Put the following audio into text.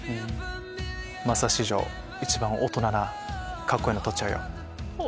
まさ史上一番大人なカッコいいの撮っちゃうよ。